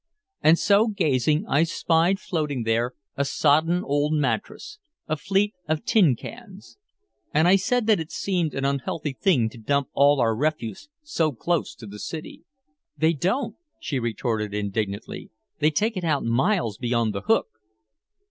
And so gazing I spied floating there a sodden old mattress, a fleet of tin cans. And I said that it seemed an unhealthy thing to dump all our refuse so close to the city. "They don't!" she retorted indignantly. "They take it out miles beyond the Hook!"